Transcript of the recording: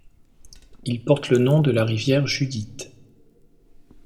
Il porte le nom de la rivière Judith.